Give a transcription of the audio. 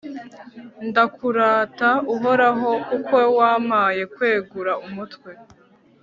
ndakurata, uhoraho, kuko wampaye kwegura umutwe